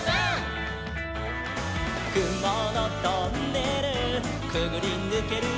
「くものトンネルくぐりぬけるよ」